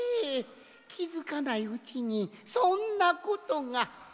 きづかないうちにそんなことが！